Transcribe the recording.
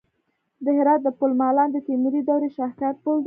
د هرات د پل مالان د تیموري دورې شاهکار پل دی